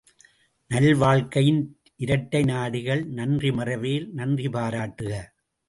நல்வாழ்க்கையின் இரட்டை நாடிகள் நன்றி மறவேல் நன்றி பாராட்டுக!